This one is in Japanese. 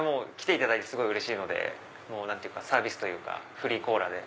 来ていただいてうれしいのでサービスというかフリーコーラ。